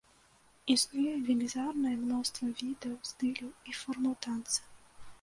Існуе велізарнае мноства відаў, стыляў і формаў танца.